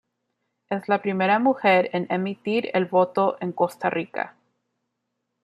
Es la primera mujer en emitir el voto en Costa Rica.